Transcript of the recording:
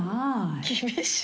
厳しい。